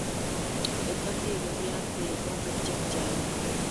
Ettaka eryo lyampeebwa bajjajjange.